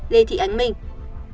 lê thị ánh minh